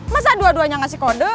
masa dua duanya ngasih kode